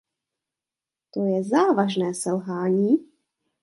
To je závažné selhání.